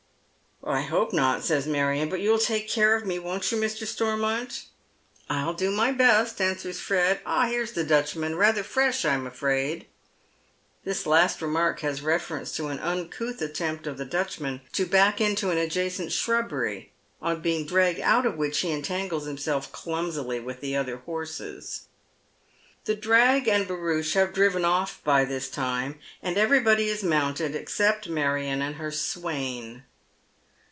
" I hope not," says Marion. " But you'll take care of me, won't you, Mr. Stormont ?"" I'll do my best," answers Fred. " Ah, here's the Dutchman, rather fresh, I'm afraid." This last remark has reference to an uncouth attempt of the Dutchman to back into an adjacent shrubbery, on being dragged out of which he entangles himself clumsily with the other horses. The drag and barouche have driven off by this time, and everybody is mounted except Marion and her swain.